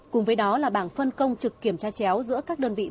cùng với đó là bảng phân công trực kiểm tra chéo giữa các đơn vị vận tải này